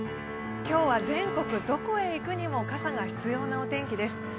今日は全国どこへ行くにも傘が必要なお天気です。